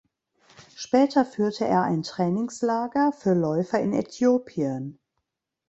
Später führte er ein Trainingslager für Läufer in Äthiopien.